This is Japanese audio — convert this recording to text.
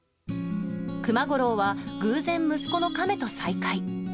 熊五郎は偶然、息子の亀と再会。